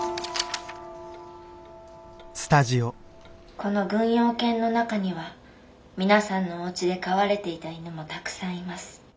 この軍用犬の中には皆さんのおうちで飼われていた犬もたくさんいます。